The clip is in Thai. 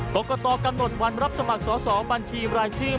กรกตกำหนดวันรับสมัครสอบบัญชีรายชื่อ